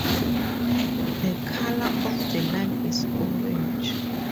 The color of the line is Orange.